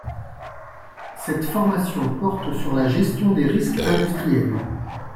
Cette formation porte sur la gestion des risques industriels.